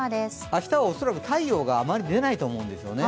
明日は恐らく太陽があまり出ないと思うんですよね。